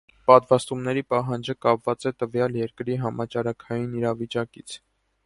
Պատվաստումների պահանջը կապված է տվյալ երկրի համաճարակային իրավիճակից։